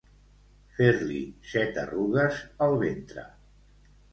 Fer-li set arrugues el ventre.